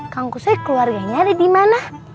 kang kushoi keluarganya ada dimana